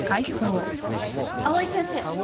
藍井先生。